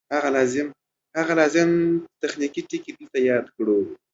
هغه لازم تخنیکي ټکي دلته یاد کړو